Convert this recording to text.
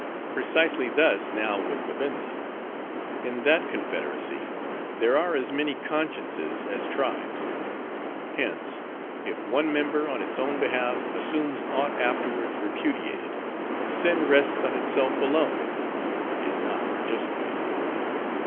Precisely thus now with Vivenza. In that confederacy, there are as many consciences as tribes; hence, if one member on its own behalf, assumes aught afterwards repudiated, the sin rests on itself alone; is not participated."